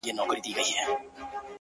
تا خو د خپل وجود زکات کله هم ونه ايستی ـ